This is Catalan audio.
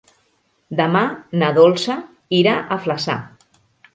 Demà na Dolça irà a Flaçà.